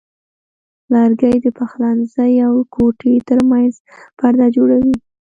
لرګی د پخلنځي او کوټې ترمنځ پرده جوړوي.